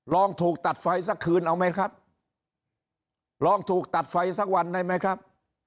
ลองถูกตัดไฟสักคืนเอาไหมครับลองถูกตัดไฟสักวันได้ไหมครับ